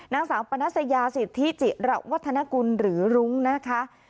นางสาวปนัสยาสิทธิจิระวัฒนกุลหรือรุ้งนะคะ